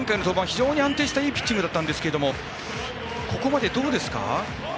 非常に安定したいいピッチングだったんですがここまでどうですか？